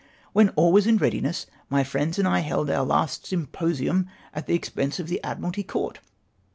When all was in readuiess, my friends and I held our last syuiposiiim at the expense of the Admiralty Coiut.